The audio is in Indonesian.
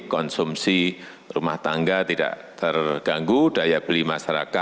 konsumsi rumah tangga juga akan berkembang